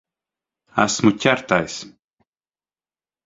Esmu ķertais.